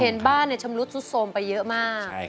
เห็นบ้านชำรุดซุดโทรมไปเยอะมาก